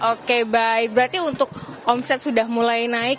oke baik berarti untuk omset sudah mulai naik